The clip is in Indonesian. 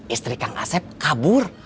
istri kang asep kabur